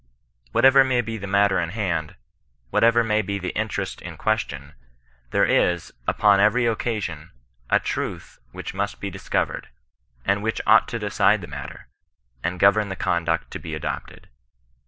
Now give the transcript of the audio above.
Whatever may be the matter in hand, whatever may be the interest in question, there is, upon every occasion, a truth which must be dis covered, and which ought to decide the matter, and go Tcrn the conduct to be adopted.